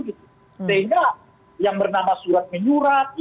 sehingga yang bernama surat menyurat